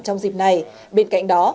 trong dịp này bên cạnh đó